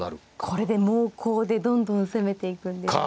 これで猛攻でどんどん攻めていくんですか。